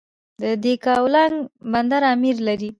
د یکاولنګ بند امیر لري